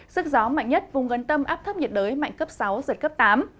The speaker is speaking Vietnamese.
sức gió mạnh nhất vùng gần tâm áp thấp nhiệt đới mạnh cấp sáu giật cấp tám